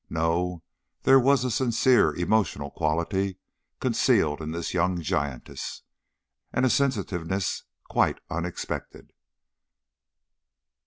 No, there was a sincere emotional quality concealed in this young giantess, and a sensitiveness quite unexpected.